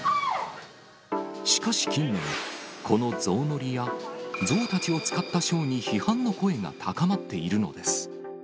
しかし近年、このゾウ乗りやゾウたちを使ったショーに批判の声が高まっているのです。